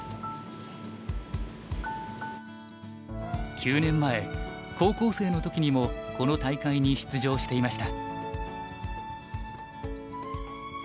９年前高校生の時にもこの大会に出場していました。